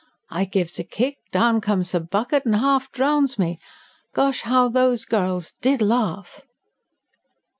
I gives a kick, down comes the bucket and half drowns me. Gosh, how those girls did laugh!"